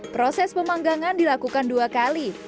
proses pemanggangan dilakukan dua kali